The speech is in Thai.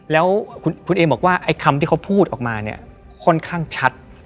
แล้วคุณเอมบอกว่าไอ้คำที่เขาพูดออกมาเนี่ยค่อนข้างชัด